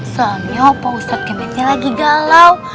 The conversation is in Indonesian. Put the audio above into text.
sebenarnya pak ustadz kemetnya lagi galau